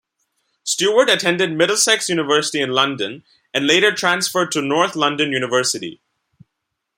Stewart attended Middlesex University in London and later transferred to North London University.